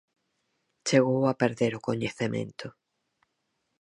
Chegou a perder o coñecemento.